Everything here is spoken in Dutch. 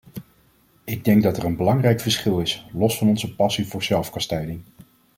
Ik denk dat er een belangrijk verschil is, los van onze passie voor zelfkastijding.